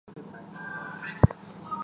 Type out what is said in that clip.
原为泰雅族芃芃社。